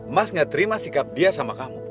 mas gak terima sikap dia sama kamu